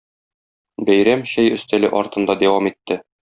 Бәйрәм чәй өстәле артында дәвам итте.